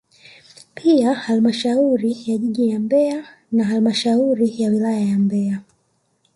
Pia halmashauri ya jiji la Mbeya na halmashauri ya wilaya ya Mbeya